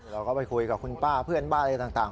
เราก็ไปคุยกับคุณป้าเพื่อนบ้านอะไรต่าง